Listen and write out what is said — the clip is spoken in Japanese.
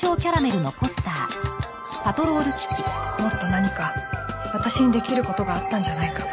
もっと何か私にできることがあったんじゃないか。